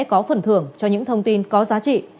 và sẽ có phần thưởng cho những thông tin có giá trị